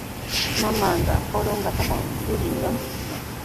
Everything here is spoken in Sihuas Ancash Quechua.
Mamaaqa Corongotrawmi yurirqan.